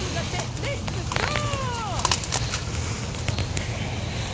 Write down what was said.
「レッツゴー！」。